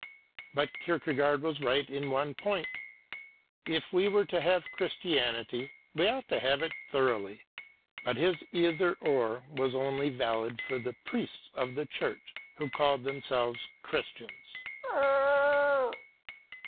But Kierkegaard was right in one point: if we were to have Christianity, we ought to have it thoroughly; but his Either Or was only valid for the priests of the church who called themselves Christians.